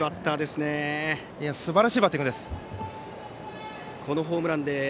すばらしいバッティングです。